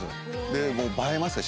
映えますね